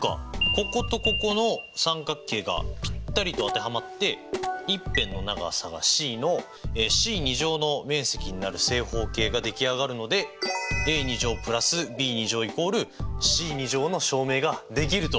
こことここの三角形がぴったりと当てはまって一辺の長さがｃのｃの面積になる正方形が出来上がるのでａ＋ｂ＝ｃの証明ができると！